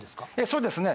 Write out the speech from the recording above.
そうですね